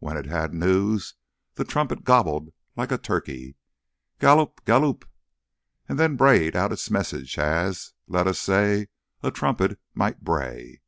When it had news the trumpet gobbled like a turkey, "Galloop, galloop," and then brayed out its message as, let us say, a trumpet might bray.